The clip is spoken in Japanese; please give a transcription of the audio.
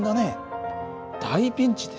大ピンチです。